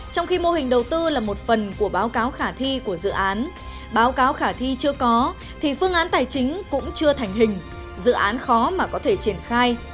trong khi mô hình đầu tư là một phần của báo cáo khả thi của dự án báo cáo khả thi chưa có thì phương án tài chính cũng chưa thành hình dự án khó mà có thể triển khai